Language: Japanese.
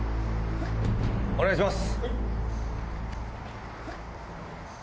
・お願いします。